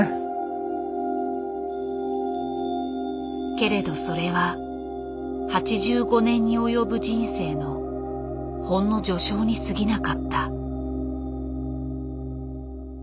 けれどそれは８５年に及ぶ人生のほんの序章にすぎなかった。